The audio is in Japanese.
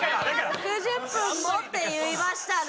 「６０分も」って言いましたね。